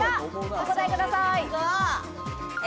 お答えください。